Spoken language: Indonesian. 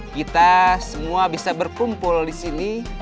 kita semua bisa berkumpul disini